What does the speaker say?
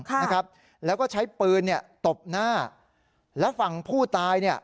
ค่ะนะครับแล้วก็ใช้ปืนเนี่ยตบหน้าแล้วฝั่งผู้ตายเนี่ย